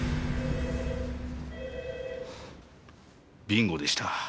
ビンゴでした。